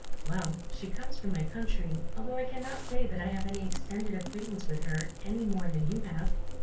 "Well, she comes from my country, although I cannot say that I have any extended acquaintance with her any more than you have."